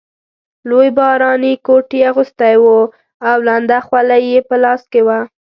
لوی باراني کوټ یې اغوستی وو او لنده خولۍ یې په لاس کې وه.